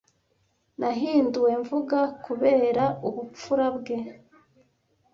Nahinduwe mvuga kubera ubupfura bwe.